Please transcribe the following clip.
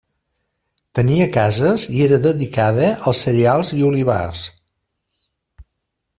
Tenia cases i era dedicada als cereals i olivars.